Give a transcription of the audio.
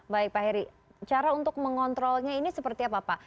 baik pak heri cara untuk mengontrolnya ini seperti apa pak